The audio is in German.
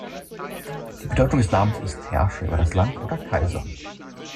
Die Bedeutung des Namens ist „Herrscher über das Land“ oder „Kaiser“.